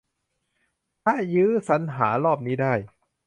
ถ้ายื้อสรรหารอบนี้ได้